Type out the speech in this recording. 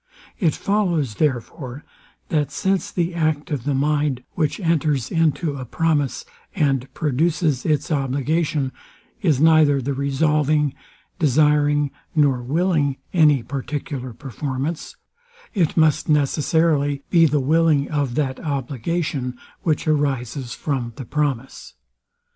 It follows, therefore, that since the act of the mind, which enters into a promise, and produces its obligation, is neither the resolving, desiring, nor willing any particular performance, it must necessarily be the willing of that obligation, which arises from the promise.